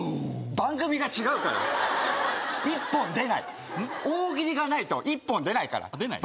番組が違うからＩＰＰＯＮ出ない大喜利がないとＩＰＰＯＮ出ないから出ない？